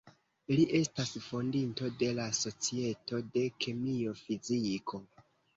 Li estas fondinto de la Societo de kemio-fiziko.